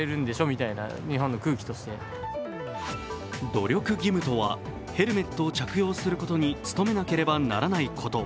努力義務とは、ヘルメットを着用することに努めなければならないこと。